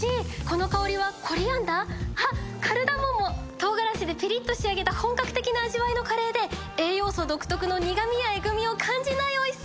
唐辛子でピリッと仕上げた本格的な味わいのカレーで栄養素独特の苦みやえぐみを感じないおいしさ！